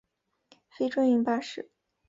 非专营巴士。